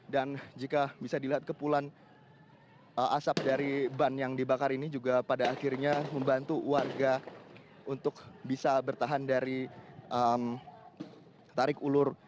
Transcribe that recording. dan jika bisa dilihat kepulan asap dari ban yang dibakar ini juga pada akhirnya membantu warga untuk bisa bertahan dari tarik ulur